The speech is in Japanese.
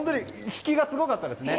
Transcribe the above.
引きがすごかったですね。